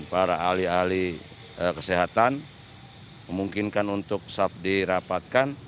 para ahli ahli kesehatan memungkinkan untuk saf dirapatkan